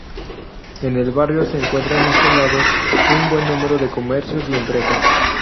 En el barrio se encuentran instalados un buen número de comercios y empresas.